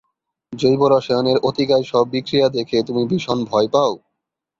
জৈব রসায়নের অতিকায় সব বিক্রিয়া দেখে তুমি ভীষণ ভয় পাও।